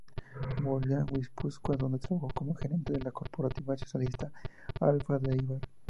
Volvió a Guipúzcoa donde trabajó como gerente de la cooperativa socialista "Alfa" de Éibar.